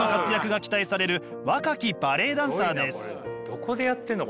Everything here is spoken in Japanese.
どこでやってんの？